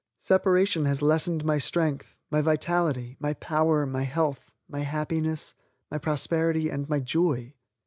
Separation has lessened my strength, my vitality, my power, my health, my happiness, my prosperity and my joy.